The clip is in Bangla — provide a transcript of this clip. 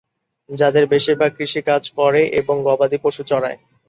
যাদের বেশিরভাগ কৃষি কাজ করে এবং গবাদি পশু চরায়।